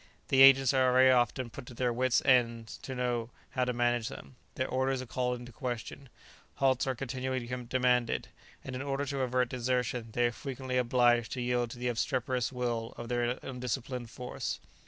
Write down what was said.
The agents are very often put to their wits' end to know how to manage them; their orders are called in question, halts are continually demanded, and in order to avert desertion they are frequently obliged to yield to the obstreperous will of their undisciplined force.